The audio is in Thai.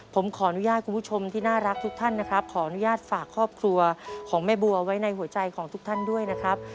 ผมขออนุญาตคุณผู้ชมที่น่ารักทุกท่านนะครับขออนุญาตฝากครอบครัวของแม่บัวไว้ในหัวใจของทุกท่านด้วยนะครับ